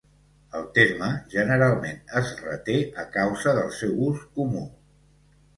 El terme generalment es reté a causa del seu ús comú.